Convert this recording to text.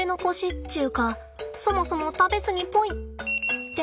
っちゅうかそもそも食べずにポイってのが多いんです。